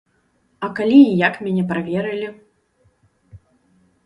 А калі і як мяне праверылі?